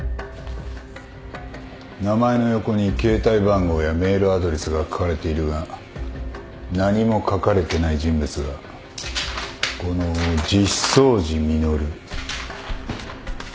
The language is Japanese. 名前の横に携帯番号やメールアドレスが書かれているが何も書かれてない人物がこの実相寺実。